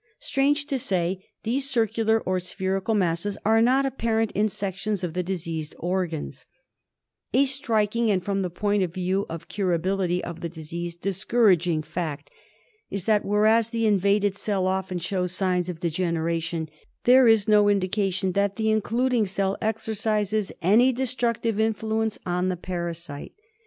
Strange to say, these circular or spherical masses are not apparent in sections of the diseased organs, A striking and, from the point of view of curability of the disease, discouraging fact is that whereas the invaded cell often shows signs of degeneration, there is no indication that the including cell exercises any destruc *tive influence on the parasite.